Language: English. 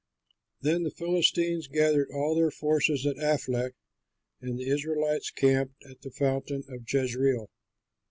Then the Philistines gathered all their forces at Aphek, and the Israelites camped at the fountain in Jezreel.